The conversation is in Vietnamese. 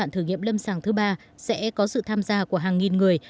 thử nghiệm lâm sàng thứ ba sẽ có sự tham gia của hàng nghìn người